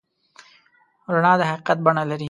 رڼا د حقیقت بڼه لري.